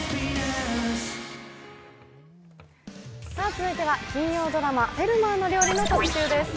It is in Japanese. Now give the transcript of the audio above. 続いては金曜ドラマ「フェルマーの料理」の特集です。